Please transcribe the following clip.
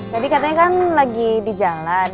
jadi katanya kan lagi di jalan